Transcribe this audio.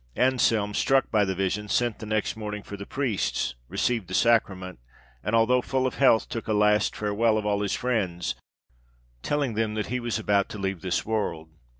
Anselme, struck by the vision, sent the next morning for the priests, received the sacrament, and although full of health, took a last farewell of all his friends, telling them that he was about to leave this world.